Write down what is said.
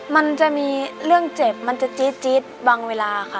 มันจะมีเรื่องเจ็บมันจะจี๊ดบางเวลาค่ะ